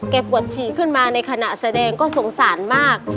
ปวดฉี่ขึ้นมาในขณะแสดงก็สงสารมาก